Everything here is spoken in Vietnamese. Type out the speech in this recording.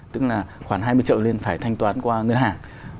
tức là khoảng hai mươi triệu lên phải thanh toán qua ngân hàng